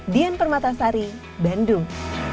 dian permatasari bandung